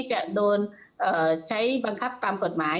จะโดนใช้บังคับตามกฎหมาย